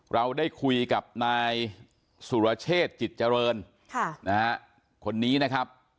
เราได้คุยกับนายสุรเชษจิตเจริญคนนี้นะครับ